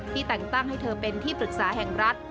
แต่งตั้งให้เธอเป็นที่ปรึกษาแห่งรัฐ